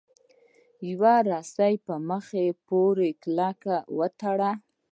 یوه رسۍ په میخ پورې کلکه وتړئ.